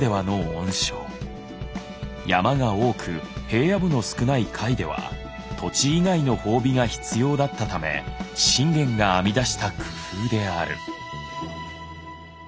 山が多く平野部の少ない甲斐では土地以外の褒美が必要だったため信玄が編み出した工夫である。